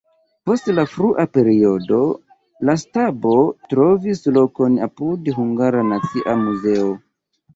Post la frua periodo la stabo trovis lokon apud Hungara Nacia Muzeo.